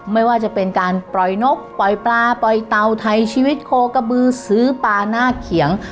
ไม่ว่าจะเป็นการปล่อยนกปล่อยปลาปล่อยเตาไทยชีวิตโคกระบือซื้อปลาหน้าเขียง